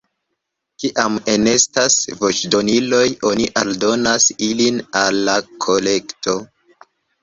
Kiam enestas voĉdoniloj, oni aldonas ilin al la kolekto.